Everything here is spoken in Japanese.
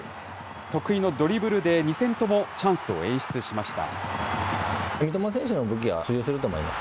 得意のドリブルで２戦ともチャンスを演出しました。